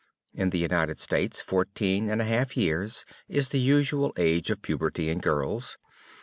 In the United States fourteen and a half years is the usual age of puberty in girls.